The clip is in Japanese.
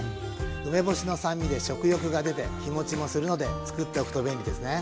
梅干しの酸味で食欲が出て日もちもするのでつくっておくと便利ですね。